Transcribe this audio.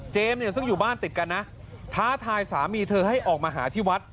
เนี่ยซึ่งอยู่บ้านติดกันนะท้าทายสามีเธอให้ออกมาหาที่วัด